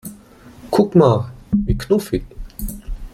Guck mal, wie knuffig!